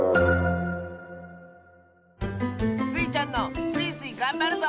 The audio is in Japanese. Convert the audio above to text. スイちゃんの「スイスイ！がんばるぞ」